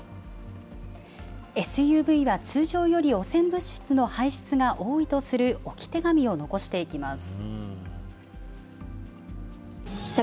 ＳＵＶは通常より汚染物質の排出が多いとする置き手紙を残していきます。